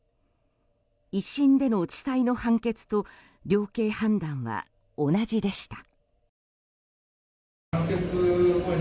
１審での地裁の判決と量刑判断は同じでした。